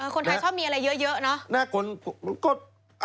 คนไทยชอบมีอะไรเยอะ